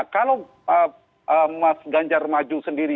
kalau mas ganjar maju sendiri